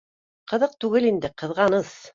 Ҡыҙыҡ түгел инде, ҡыҙғаныс